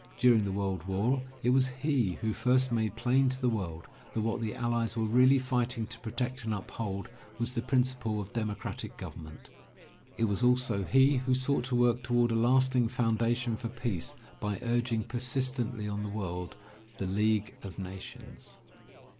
During the World War it was he who first made plain to the world that what the allies were really fighting to protect and uphold was the principle of democratic government. It was also he who sought to work toward a lasting foundation for peace by urging persistent ly on the world the League of Nations.